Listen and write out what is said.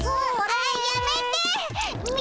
あやめて！